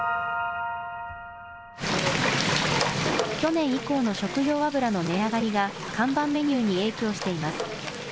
去年以降の食用油の値上がりが看板メニューに影響しています。